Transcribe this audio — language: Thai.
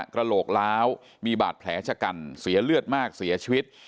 กระโหลกล้าวมีบาดแผลชะกันเสียเลือดมากเสียชีวิต